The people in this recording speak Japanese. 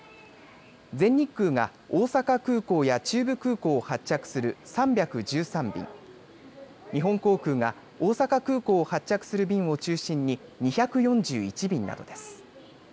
全日空が大阪空港や中部空港を発着する３１３便、日本航空が大阪空港を発着する便を中心に２４１便などです。